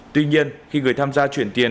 tuy nhiên khi người tham gia chuyển tiền